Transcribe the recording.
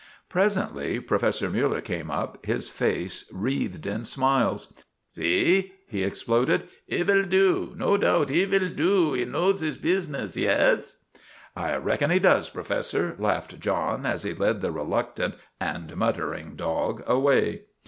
Presently Professor Mu'ller came up, his face wreathed in smiles. " See? " he exploded. " He vill do. No doubt. He vill do. He knows his business. Yes ?'" I reckon he does, Professor," laughed John, as he led the reluctant and muttering dog away.